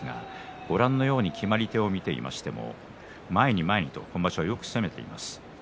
ご覧のように決まり手を見ていきましても前に前にと今場所よく攻めています。